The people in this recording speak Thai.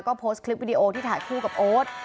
ก็โพสต์คลิปวิดีโอที่ถ่ายคู่กับโอ๊ต